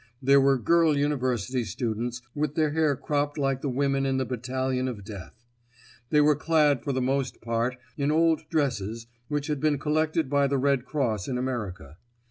There were girl university students, with their hair cropped like the women in the Battalion of Death. They were clad for the most part in old dresses which had been collected by the Red Cross in America.